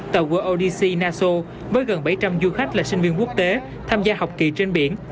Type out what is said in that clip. tàu wordc naso với gần bảy trăm linh du khách là sinh viên quốc tế tham gia học kỳ trên biển